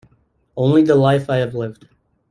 Only the life I have lived.